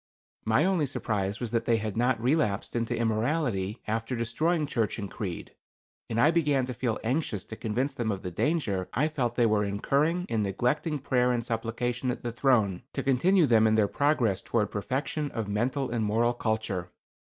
My only surprise was that they had not relapsed into immorality, after destroying church and creed, and I began to feel anxious to convince them of the danger I felt they were incurring in neglecting prayer and supplication at the throne to continue them in their progress toward perfection of mental and moral culture.